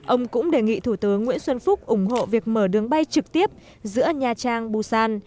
ông cũng đề nghị thủ tướng nguyễn xuân phúc ủng hộ việc mở đường bay trực tiếp giữa nha trang busan